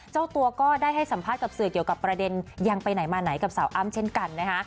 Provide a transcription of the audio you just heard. เจ้าตัวก็ได้ให้สัมภาษณ์กับสื่อเกี่ยวกับประเด็นยังไปไหนมาไหนกับสาวอ้ำเช่นกันนะคะ